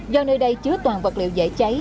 do nơi đây chứa toàn vật liệu dễ cháy